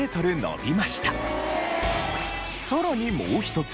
さらにもう一つ。